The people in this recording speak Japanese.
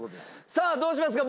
さあどうしますか？